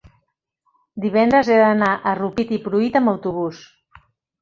divendres he d'anar a Rupit i Pruit amb autobús.